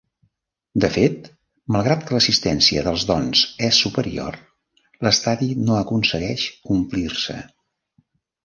De fet, malgrat que l'assistència dels Dons és superior, l'estadi no aconsegueix omplir-se.